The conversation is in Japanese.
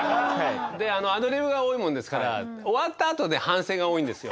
アドリブが多いもんですから終わったあとで反省が多いんですよ。